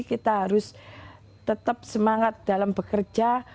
kita harus tetap semangat dalam bekerja